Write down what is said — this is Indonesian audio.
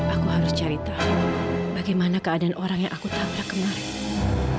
aku harus cerita bagaimana keadaan orang yang aku tangkap kemarin